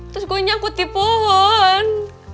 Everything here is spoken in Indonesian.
terus gue nyangkut di pohon